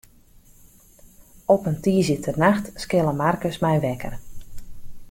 Op in tiisdeitenacht skille Markus my wekker.